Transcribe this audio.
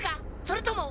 それとも。